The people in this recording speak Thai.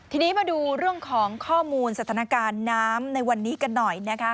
ทีนี้มาดูเรื่องของข้อมูลสถานการณ์น้ำในวันนี้กันหน่อยนะคะ